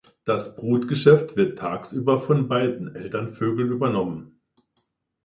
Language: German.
Das Brutgeschäft wird tagsüber von beiden Elternvögeln übernommen.